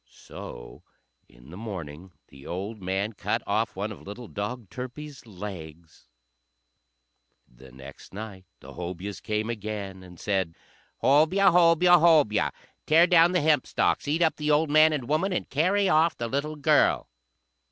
So in the morning the old man cut off one of little dog Turpie's legs. The next night the Hobyahs came again, and said, "Hobyah! Hobyah! Hobyah! Tear down the hempstalks, eat up the old man and woman, and carry off the little girl!"